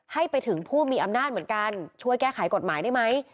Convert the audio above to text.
ให้ไปถึงผู้มีอำนาจเหมือนกันช่วยแก้ไขกฎหมายได้ไหม